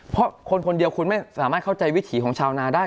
เพราะคนคนเดียวคุณไม่สามารถเข้าใจวิถีของชาวนาได้